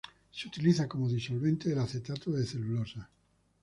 Se utiliza como disolvente del acetato de celulosa.